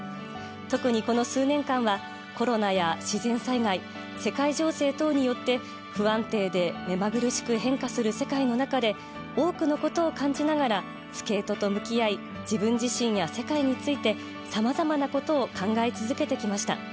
特に、この数年間はコロナや自然災害世界情勢等によって不安定で目まぐるしく変化する世界の中で多くのことを感じながらスケートと向き合い自分自身や世界についてさまざまなことを考え続けてきました。